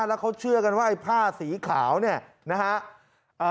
แล้วเขาเชื่อกันว่าไอ้ผ้าสีขาวเนี่ยนะฮะ